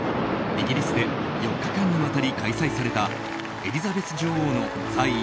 イギリスで４日間にわたり開催されたエリザベス女王の在位